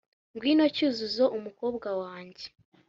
Ngwino Cyuzuzo mukobwa wanjye